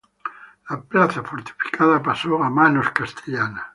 La plaza fortificada pasó a manos castellanas.